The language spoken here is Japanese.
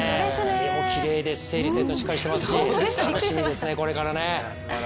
家もきれいで、整理整頓しっかりしてますし楽しみですね、これからね。